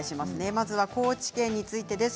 まずは高知県についてです。